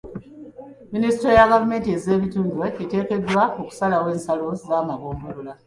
Minisutule ya gavumenti z'ebitundu eteekeddwa okusalawo ensalo z'amagombolola.